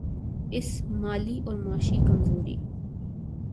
اس مالی اور معاشی کمزوری